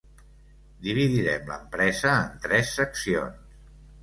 Dividirem l'empresa en tres seccions.